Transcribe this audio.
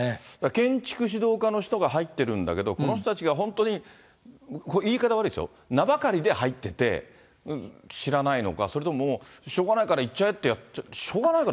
建築指導課の人が入ってるんだけど、この人たちが本当に、言い方悪いですよ、名ばかりで入ってて、知らないのか、それともしょうがないからいっちゃえって、やって、しょうがないから。